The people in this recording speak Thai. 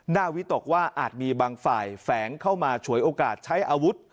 วิตกว่าอาจมีบางฝ่ายแฝงเข้ามาฉวยโอกาสใช้อาวุธ